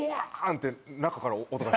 って中から音が。